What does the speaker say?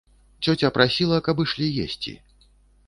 Цёця прасіла, каб ішлі есці.